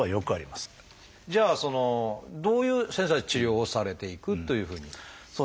じゃあどういう先生は治療をされていくというふうに。